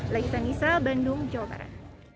laita nisa bandung jawa barat